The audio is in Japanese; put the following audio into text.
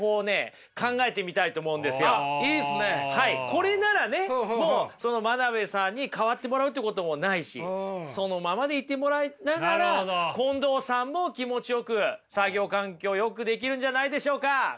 これならねもう真鍋さんに変わってもらうってこともないしそのままでいてもらいながら近藤さんも気持ちよく作業環境をよくできるんじゃないでしょうか。